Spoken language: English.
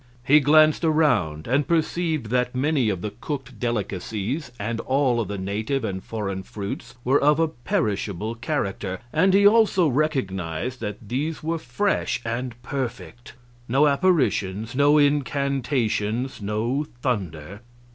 He glanced around and perceived that many of the cooked delicacies and all of the native and foreign fruits were of a perishable character, and he also recognized that these were fresh and perfect. No apparitions, no incantations, no thunder.